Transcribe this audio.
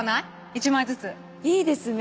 １枚ずついいですね